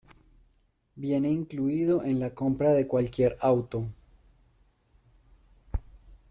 Vienen incluido en la compra de cualquier auto.